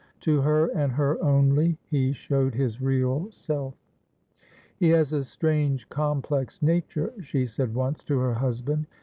To her, and her only, he showed his real self. "He has a strange complex nature," she said once to her husband.